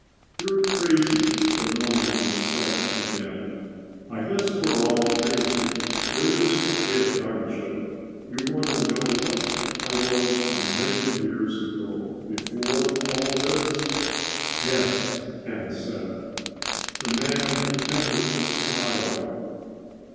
"You're crazy," the nomad said again. "I guess we're all crazy. You're just a kid, aren't you? You want to know what I was a million years ago, before all this?" "Yes," Ken said. The man attempted a smile.